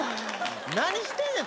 何してんねん。